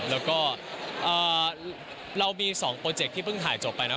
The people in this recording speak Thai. แล้วก็เรามี๒โปรเจคที่เพิ่งถ่ายจบไปนะ